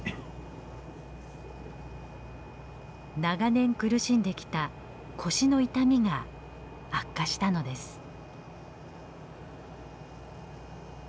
長年苦しんできた腰の痛みが悪化したのです。